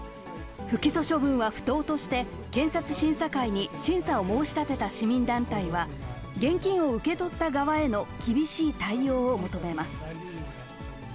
不起訴処分は不当として、検察審査会に審査を申し立てた市民団体は、現金を受け取った側への厳しい対応を求めます。